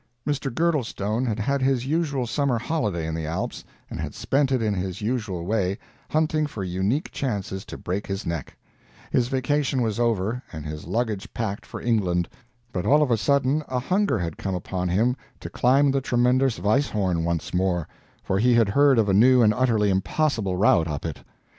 Mr. Girdlestone had had his usual summer holiday in the Alps, and had spent it in his usual way, hunting for unique chances to break his neck; his vacation was over, and his luggage packed for England, but all of a sudden a hunger had come upon him to climb the tremendous Weisshorn once more, for he had heard of a new and utterly impossible route up it.